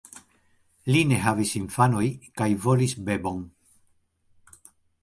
Li ne havis infanoj kaj volis bebon.